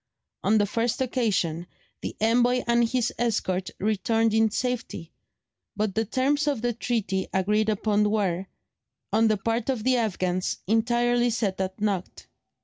On the first occasion the envoy and his escort returned in safety, but the terms of the treaty agreed upon were, on the part of the Afghans, entirely set at naught.